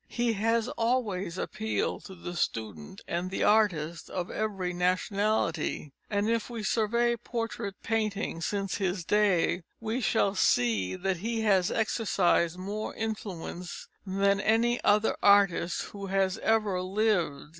He has always appealed to the student and the artist of every nationality, and if we survey portrait painting since his day, we shall see that he has exercised more influence than any other artist who has ever lived.